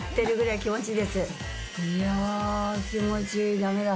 いや気持ちいいダメだ。